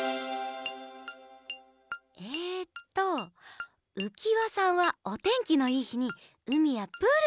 えっとうきわさんはおてんきのいいひにうみやプールにいくでしょ。